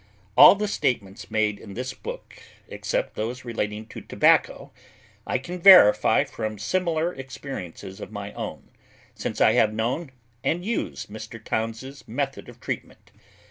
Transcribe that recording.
All the statements made in this book except those relating to tobacco I can verify from similar experiences of my own, since I have known and used Mr. Towns's method of treatment.